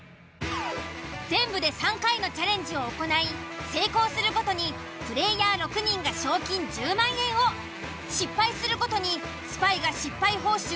全部で３回のチャレンジを行い成功するごとにプレイヤー６人が賞金１０万円を失敗するごとにスパイが失敗報酬